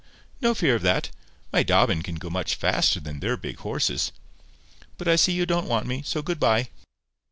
"No fear of that. My Dobbin can go much faster than their big horses. But I see you don't want me, so good bye."